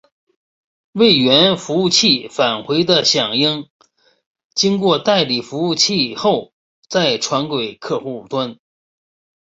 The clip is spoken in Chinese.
从源服务器返回的响应经过代理服务器后再传给客户端。